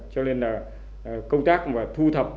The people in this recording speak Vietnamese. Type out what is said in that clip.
cho nên là công tác mà thu thập